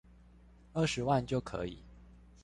二十萬元就可以